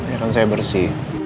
ya kan saya bersih